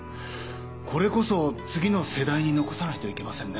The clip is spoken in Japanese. これこそ次の世代に残さないといけませんね。